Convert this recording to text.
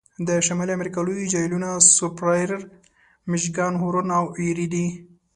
د شمالي امریکا لوی جهیلونه سوپریر، میشیګان، هورن او ایري دي.